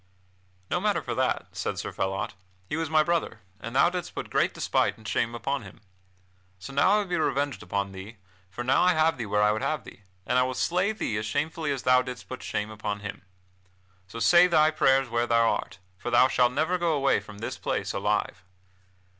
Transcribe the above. "No matter for that," said Sir Phelot, "he was my brother, and thou didst put great despite and shame upon him. So now I will be revenged upon thee, for now I have thee where I would have thee, and I will slay thee as shamefully as thou didst put shame upon him. So say thy prayers where thou art, for thou shalt never go away from this place alive."